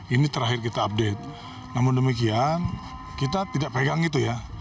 ini terakhir kita update namun demikian kita tidak pegang itu ya